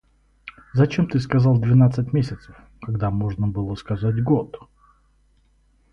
Зачем ты сказал двенадцать месяцев, когда можно было сказать год?